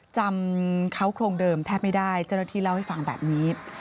จำเขาโครงเดิมแทบไม่ได้เจ้าหน้าที่เล่าให้ฟังแบบนี้